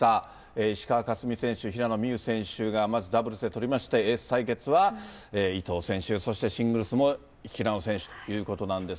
石川佳純選手・平野美宇選手がまずダブルスで取りまして、エース対決は伊藤選手、そしてシングルスも平野選手ということなんです